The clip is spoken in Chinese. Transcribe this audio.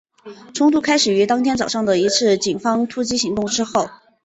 冲突开始于当天早上的一次警方突袭行动之后。